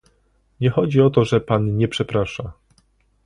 Nie chodzi o to, że pan nie przeprasza